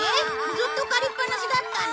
ずっと借りっぱなしだったの？